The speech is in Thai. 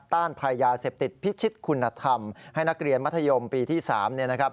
ต้านภัยยาเสพติดพิชิตคุณธรรมให้นักเรียนมัธยมปีที่๓เนี่ยนะครับ